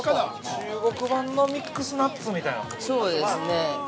◆中国版のミックスナッツみたいなことですか。